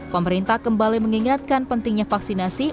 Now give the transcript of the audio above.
pemerintah kembali mengingatkan pentingnya vaksinasi